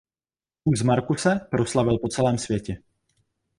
Vůz Marcuse proslavil po celém světě.